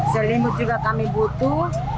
seribu juga kami butuh